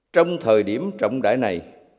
trong thời điểm trọng đại này